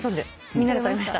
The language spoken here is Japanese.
みんなで撮りました。